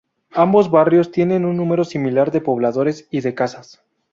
Ambos barrios tienen un número similar de pobladores y de casas.